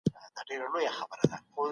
دا مسایل باید په علمي توګه حل سي.